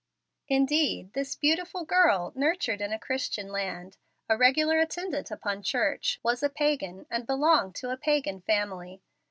Indeed this beautiful girl, nurtured in a Christian land, a regular attendant upon church, was a pagan and belonged to a pagan family.